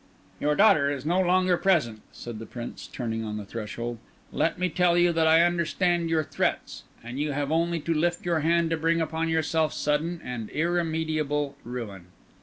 "Your daughter is no longer present," said the Prince, turning on the threshold. "Let me tell you that I understand your threats; and you have only to lift your hand to bring upon yourself sudden and irremediable ruin."